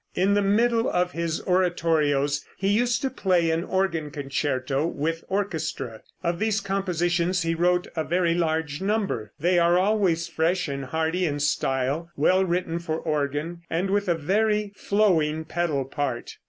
In the middle of his oratorios he used to play an organ concerto with orchestra. Of these compositions he wrote a very large number. They are always fresh and hearty in style, well written for organ, and with a very flowing pedal part.